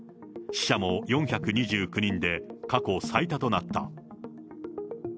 死者も４２９人で、過去最多となった。